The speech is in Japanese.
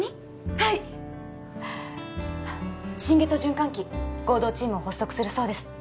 はい心外と循環器合同チームを発足するそうです